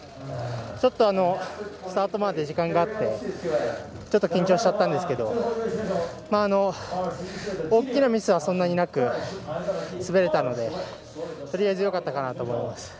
スタートまで時間があってちょっと緊張しちゃったんですけども大きなミスはそんなになく滑れたのでとりあえずよかったと思います。